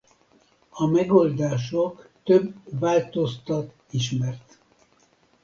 A megoldások több változtat ismert.